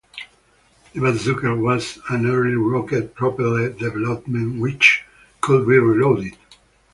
The Bazooka was an early rocket-propelled development which could be reloaded.